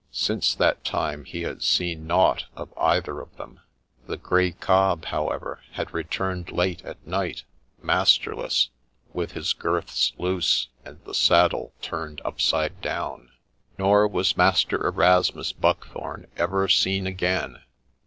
Since that time he had seen nought of either of them : the grey cob, however, had returned late at night, master less, with his girths loose, and the saddle turned upside down. 88 MRS. BOTHERBY'S STORY Nor was Master Erasmus Buckthorne ever seen again.